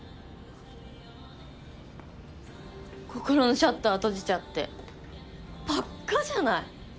心のシャッター閉じちゃってバッカじゃない。